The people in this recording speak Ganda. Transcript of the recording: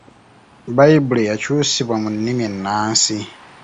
Bbayibuli yakyusibwa mu nnimi ennansi.